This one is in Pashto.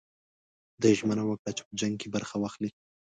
ده ژمنه وکړه چې په جنګ کې برخه واخلي.